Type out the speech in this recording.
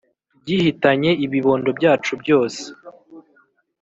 Gihitanye ibibondo byacu byose